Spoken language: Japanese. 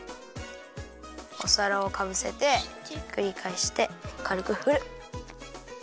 おさらをかぶせてひっくりかえしてかるくふる。